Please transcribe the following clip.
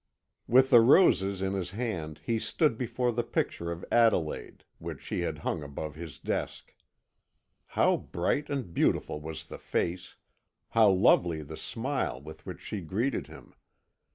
With the roses in his hand he stood before the picture of Adelaide, which she had hung above his desk. How bright and beautiful was the face, how lovely the smile with which she greeted him!